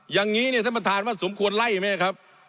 อย่างนี้เนี่ยท่านประธานว่าสมควรไล่ไหมครับ